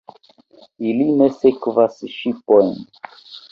Ili ne sekvas ŝipojn.